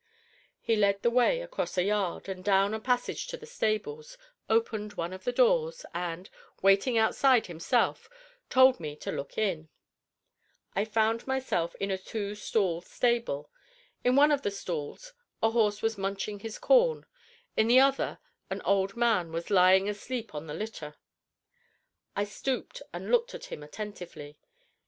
He led the way across a yard and down a passage to the stables, opened one of the doors, and, waiting outside himself, told me to look in. I found myself in a two stall stable. In one of the stalls a horse was munching his corn; in the other an old man was lying asleep on the litter. I stooped and looked at him attentively.